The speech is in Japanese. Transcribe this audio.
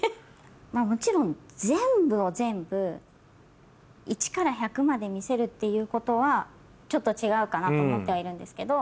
もちろん全部を全部１から１００まで見せるっていうことはちょっと違うかなと思ってはいるんですけど。